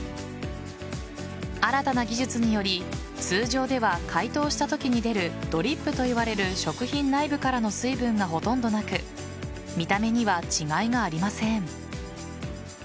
新たな技術により通常では解凍したときに出るドリップといわれる食品内部からの水分がほとんどなく見た目には違いがありません。